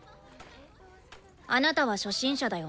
あなたは初心者だよね。